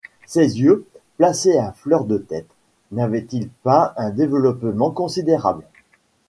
Ses yeux, placés à fleur de tête, n’avaient-ils pas un développement considérable ?